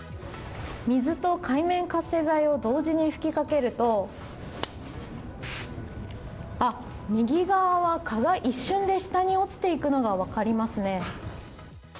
水と界面活性剤を同時に吹きかけると右側は蚊が一瞬で下に落ちていくのが分かりますね。